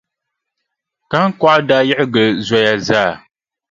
Kahiŋkɔɣu daa yiɣi gili zoya zaa.